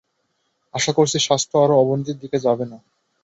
আশা করছি স্বাস্থ্য আরো অবনতির দিকে যাবে না।